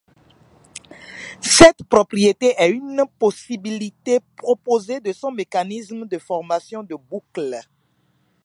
Cette propriété est une possibilité proposée de son mécanisme de formation de boucles.